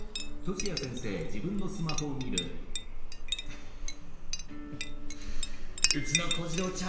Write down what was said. フフフうちの小次郎ちゃん